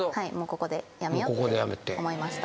ここで辞めようって思いました。